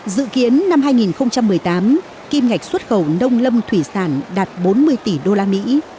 dự kiến năm hai nghìn một mươi tám kim ngạch xuất khẩu nông lâm thủy sản đạt bốn mươi tỷ đô la mỹ